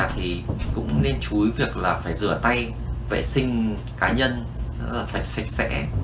thì cũng nên chú ý việc là phải rửa tay vệ sinh cá nhân sạch sạch sẻ